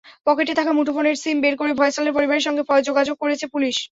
পকেটে থাকা মুঠোফোনের সিম বের করে ফয়সালের পরিবারের সঙ্গে যোগাযোগ করেছে পুলিশ।